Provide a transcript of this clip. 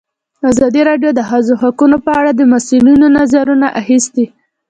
ازادي راډیو د د ښځو حقونه په اړه د مسؤلینو نظرونه اخیستي.